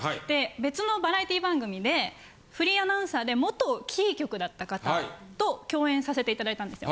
別のバラエティー番組でフリーアナウンサーで元キー局だった方と共演させていただいたんですよ。